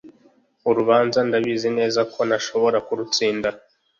urubanza ndabizi neza ko ntashobora kurutsinda,